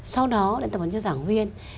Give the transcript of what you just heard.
sau đó để tập huấn cho giảng viên